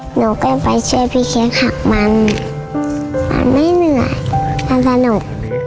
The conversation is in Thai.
หนูก็ไปช่วยพี่เคียงหักมันไม่เหนื่อยมันสนุก